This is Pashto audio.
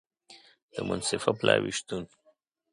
د منصفه پلاوي شتون